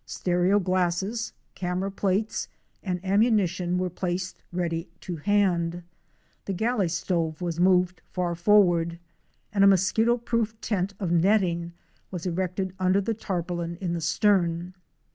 Stereo glasses, camera plates, and am munition were placed ready to hand; the galley stove was moved far forward, and a mosquito proof tent of netting was erected under the tarpaulin in the stern.